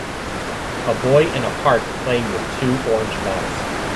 A boy in a park playing with two orange balls.